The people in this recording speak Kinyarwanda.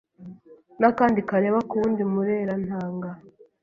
n’akandi kareba ku wundi murerantanga